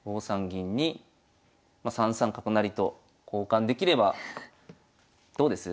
銀に３三角成と交換できればどうです？